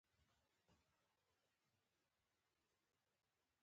ازادي راډیو د د ماشومانو حقونه په اړه د کارګرانو تجربې بیان کړي.